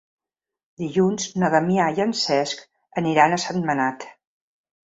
Dilluns na Damià i en Cesc aniran a Sentmenat.